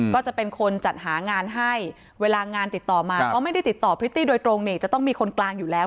ก็จะเป็นคนจัดหางานให้เวลางานติดต่อมาก็ไม่ได้ติดต่อพริตตี้โดยตรงเนี่ยจะต้องมีคนกลางอยู่แล้ว